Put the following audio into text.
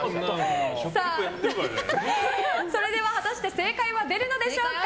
それでは果たして正解は出るのでしょうか。